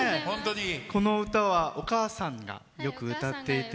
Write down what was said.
この歌はお母さんがよく歌っていて？